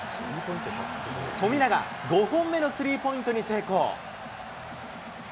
富永、５本目のスリーポイントに成功。